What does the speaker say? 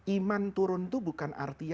iman turun itu bukan artinya